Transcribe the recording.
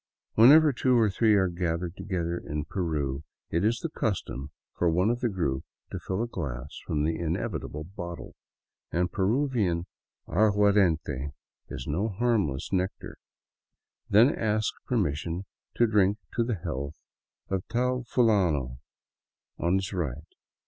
Whenever two or three are gathered to gether in Peru, it is the custom for one of the group to fill a glass from the inevitable bottle — and Peruvian aguardiente is no harmless nec tar— then ask permission to drink the health of Tal Fulano on his right.